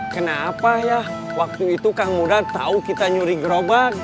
kenapa ya waktu itu kang muda tahu kita nyuri gerobak